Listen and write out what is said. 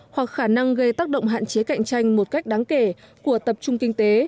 hoặc khả năng gây tác động hạn chế cạnh tranh một cách đáng kể của tập trung kinh tế